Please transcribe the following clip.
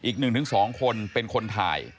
อีกหนึ่งถึงสองคนเป็นคนถ่าย